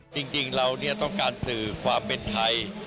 จริงเราต้องการสื่อความเป็นไทย